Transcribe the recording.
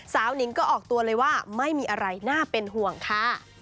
หนิงก็ออกตัวเลยว่าไม่มีอะไรน่าเป็นห่วงค่ะ